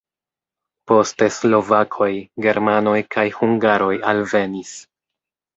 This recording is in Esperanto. Poste slovakoj, germanoj kaj hungaroj alvenis.